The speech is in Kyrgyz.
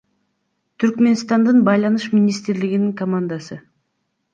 Түркмөнстандын Байланыш министрлигинин командасы.